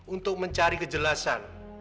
untuk mencari kejelasan